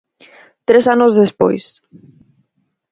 Tres anos despois.